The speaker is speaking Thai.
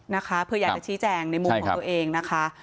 นะคะเผื่ออยากชี้แจ่งในมูลของเองนะคะ